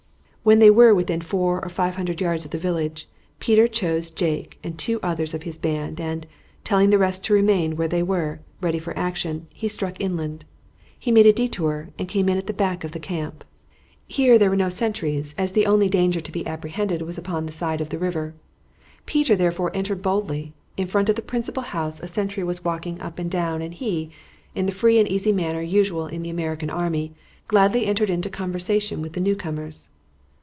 When they were within four or five hundred yards of the village Peter chose Jake and two others of his band, and, telling the rest to remain where they were, ready for action, he struck inland. He made a détour and came in at the back of the camp. Here there were no sentries, as the only danger to be apprehended was upon the side of the river. Peter therefore entered boldly. In front of the principal house a sentry was walking up and down, and he, in the free and easy manner usual in the American army, gladly entered into conversation with the newcomers.